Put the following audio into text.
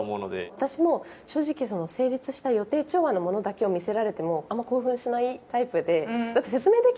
私も正直成立した予定調和のものだけを見せられてもあんまり興奮しないタイプで。